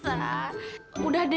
akuwei ini gak boleh lagi